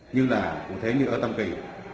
như là cũng thế như ở tâm kỳ